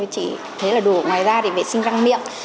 thế là đủ ngoài ra thì vệ sinh răng miệng